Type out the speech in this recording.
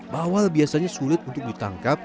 bawal biasanya sulit untuk ditangkap